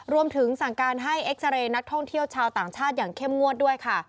รวมถึงสั่งการให้เอ็กซาเรย์นักท่องเที่ยวชาวต่างชาติอย่างเข้มงวดด้วยค่ะ